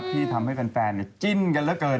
ที่ทำให้แฟนจิ้นกันเหลือเกิน